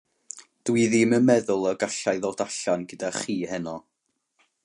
Dw i ddim yn meddwl y galla i ddod allan gyda chi heno.